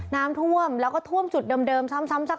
น้ำท่วมแล้วก็ท่วมจุดเดิมซ้ำ